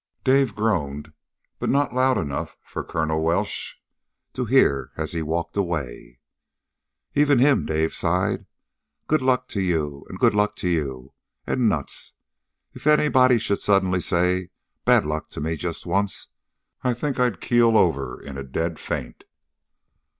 Dave groaned, but not loud enough for Colonel Welsh to hear as he walked away. "Even him!" Dave sighed. "Good luck to you, and good luck to you and nuts! If anybody should suddenly say, 'Bad luck' to me just once, I think I'd keel over in a dead faint!"